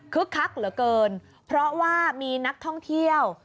คักเหลือเกินเพราะว่ามีนักท่องเที่ยว